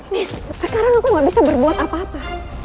nih sekarang aku gak bisa berbuat apa apa